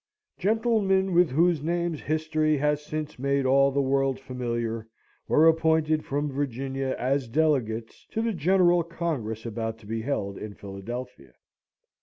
Gentlemen, with whose names history has since made all the world familiar, were appointed from Virginia as Delegates to the General Congress about to be held in Philadelphia.